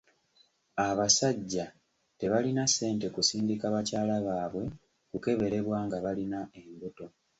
Abasajja tebalina ssente kusindika bakyala baabwe kukeberebwa nga balina embuto.